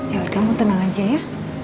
ya kamu tenang aja ya